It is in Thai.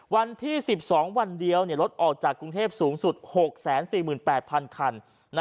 วันที่๑๒วันเดียวรถออกจากกรุงเทพสูงสุด๖๔๘๐๐คัน